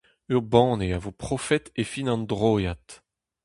Ur banne a vo profet e fin an droiad.